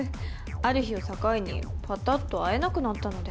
ある日を境にパタッと会えなくなったので。